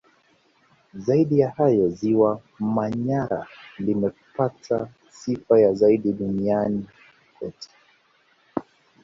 Zaidi ya hayo Ziwa Manyara limepata sifa ya ziada duniani kote